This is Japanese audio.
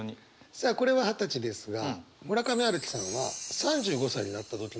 さあこれは二十歳ですが村上春樹さんは３５歳になった時の気持ちも表現しています。